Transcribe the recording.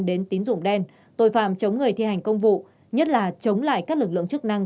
đến tín dụng đen tội phạm chống người thi hành công vụ nhất là chống lại các lực lượng chức năng